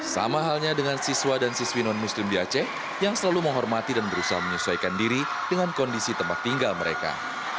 sama halnya dengan siswa dan siswi non muslim di aceh yang selalu menghormati dan berusaha menyesuaikan diri dengan kondisi tempat tinggal mereka